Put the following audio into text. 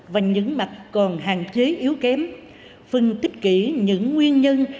và những mặt còn hạn chế yếu kém phân tích kỹ những nguyên nhân